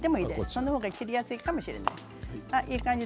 その方が切りやすいかもしれません。